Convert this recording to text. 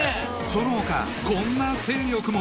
［その他こんな勢力も］